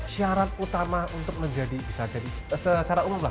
syarat utama untuk menjadi bisa jadi secara umum lah